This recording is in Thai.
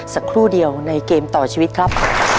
สักครู่เดียวในเกมต่อชีวิตครับ